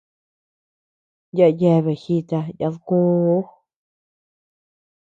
Yaʼa yeabe jita yadkuöo.